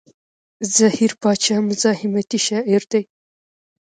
زهير باچا مزاحمتي شاعر دی.